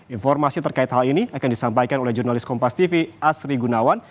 informasi terkait hal ini akan disampaikan oleh jurnalis kompas tv asri gunawan